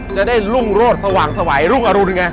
จะได้รุ่งโรดสว่างสวัยรุ่งอรุณไง